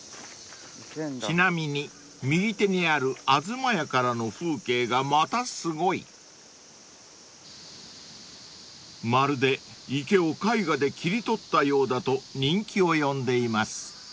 ［ちなみに右手にあるあずまやからの風景がまたすごい］［まるで池を絵画で切り取ったようだと人気を呼んでいます］